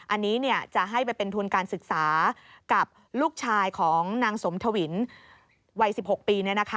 อันนี้จะให้ไปเป็นทุนการศึกษากับลูกชายของนางสมทวินวัย๑๖ปี